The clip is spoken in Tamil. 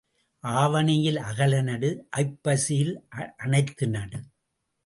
ஆவணியில் அகல நடு ஐப்பசியில் அனைத்து நடு.